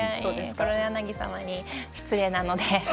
黒柳様に失礼なので。